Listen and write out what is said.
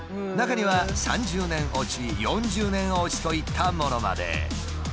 中には３０年落ち４０年落ちといったものまで。